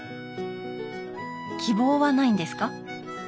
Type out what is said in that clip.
希望はないんですか？